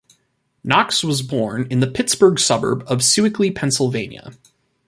Knox was born in the Pittsburgh suburb of Sewickley, Pennsylvania.